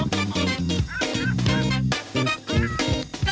โปรดติดตามตอนต่อไป